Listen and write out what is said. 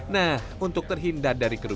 nah untuk terhindar dari kerumunan